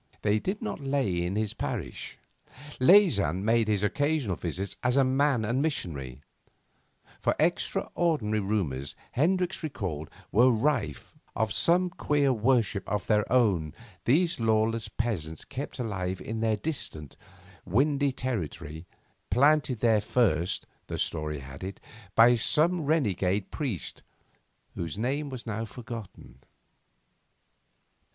They did not lie in his parish: Leysin made his occasional visits as man and missionary; for extraordinary rumours, Hendricks recalled, were rife, of some queer worship of their own these lawless peasants kept alive in their distant, windy territory, planted there first, the story had it, by some renegade priest whose name was now forgotten.